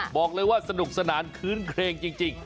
บอกเลยว่าสนุกสนานคืนเครงจริง